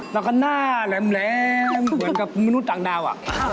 แล้วก็หน้าแหลมเหมือนกับมนุษย์ต่างดาว